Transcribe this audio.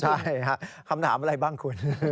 ใช่ค่ะคำถามอะไรบ้างคุณ